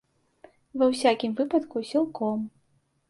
Ва ўсякім выпадку, сілком.